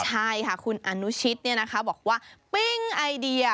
คุณไทยค่ะคุณอนุชิตเนี่ยนะคะบอกว่าปิ้งไอเดีย